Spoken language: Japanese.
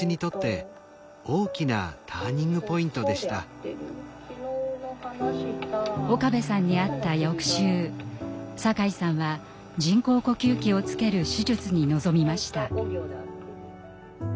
岡部さんに会った翌週酒井さんは人工呼吸器をつける手術に臨みました。